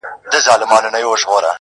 هارون یې پر کم عمر